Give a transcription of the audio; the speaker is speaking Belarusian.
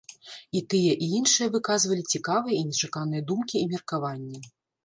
І тыя, і іншыя выказвалі цікавыя і нечаканыя думкі і меркаванні.